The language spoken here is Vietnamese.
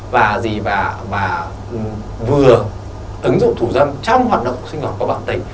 và vừa ứng dụng thủ dâm trong hoạt động sinh dục có bạn tình